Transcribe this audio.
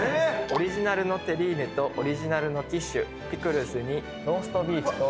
オリジナルのテリーヌとオリジナルのキッシュピクルスにローストビーフと。